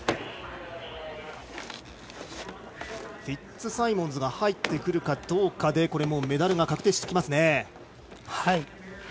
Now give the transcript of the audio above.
フィッツサイモンズが入ってくるかどうかでメダルが確定してきますね。